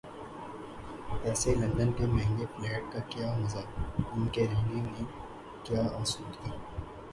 ایسے لندن کے مہنگے فلیٹ کا کیا مزہ، ان کے رہنے میں کیا آسودگی؟